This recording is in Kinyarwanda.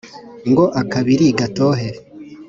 ngo akabili gatohe